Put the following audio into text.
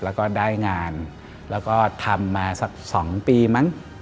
แล้วก็ได้งานแล้วก็ทำมาสัก๒ปีมั้ง